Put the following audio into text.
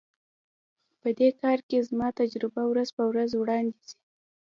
په دې کار کې زما تجربه ورځ په ورځ وړاندي ځي.